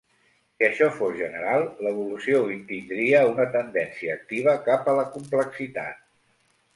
Si això fos general, l'evolució tindria una tendència activa cap a la complexitat.